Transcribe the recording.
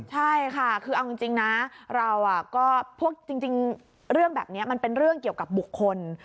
ใช่ค่ะคือเอาจริงเรื่องแบบนี้มันเป็นเรื่องเกี่ยวกับบุคคล